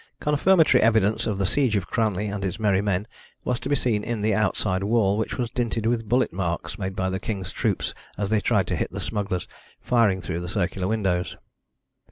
Confirmatory evidence of the siege of Cranley and his merry men was to be seen in the outside wall, which was dinted with bullet marks made by the King's troops as they tried to hit the smugglers, firing through the circular windows.